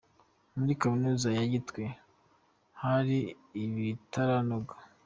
Muri Kaminuza ya Gitwe hari ibitaranoga .